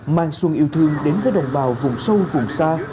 mang xuân yêu thương đến với đồng bào vùng sâu vùng xa